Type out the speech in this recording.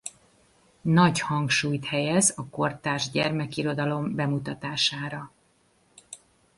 Nagy hangsúlyt helyez a kortárs gyermekirodalom bemutatására.